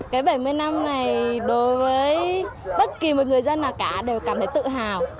cái bảy mươi năm này đối với bất kỳ một người dân nào cả đều cảm thấy tự hào